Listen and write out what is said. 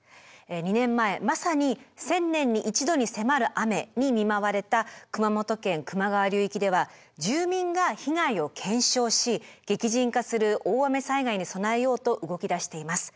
２年前まさに１０００年に１度に迫る雨に見舞われた熊本県球磨川流域では住民が被害を検証し激甚化する大雨災害に備えようと動き出しています。